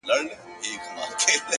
ډېوې پوري ـ